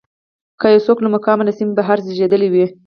که یو څوک له مقام له سیمې بهر زېږېدلی وي.